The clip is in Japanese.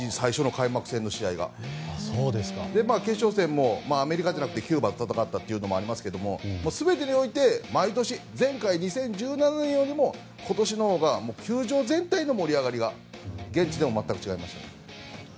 決勝戦もアメリカじゃなくてキューバと戦ったのもあり全てにおいて毎年前回２０１７年よりも今年のほうが球場全体の盛り上がりが現地では全く違います。